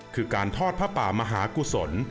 คือการทอดผ้าป่ามหากุศล